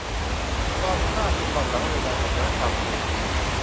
ความกล้าคือความสามารถในการเอาชนะความกลัว